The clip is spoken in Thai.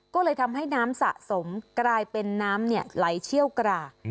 ก็เลยทำให้น้ำสะสมกลายเป็นน้ำไหลเชี่ยวกราก